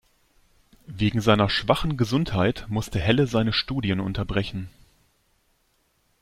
Wegen seiner schwachen Gesundheit musste Helle seine Studien unterbrechen.